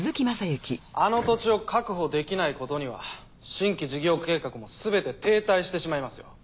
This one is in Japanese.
あの土地を確保できないことには新規事業計画もすべて停滞してしまいますよ。